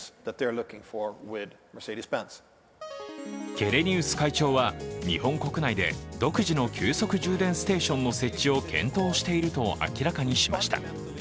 ケレニウス会長は日本国内で独自の急速充電ステーションの設置を検討していると明らかにしました。